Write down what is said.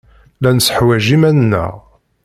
La nessewjad iman-nneɣ.